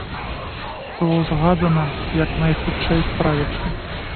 Было загадана, як найхутчэй справіцца.